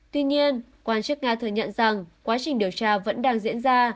tuy nhiên quan chức nga thừa nhận rằng quá trình điều tra vẫn đang diễn ra